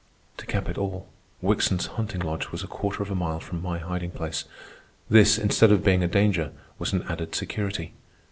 To cap it all, Wickson's hunting lodge was a quarter of a mile from my hiding place. This, instead of being a danger, was an added security.